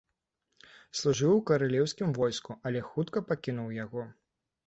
Служыў у каралеўскім войску, але хутка пакінуў яго.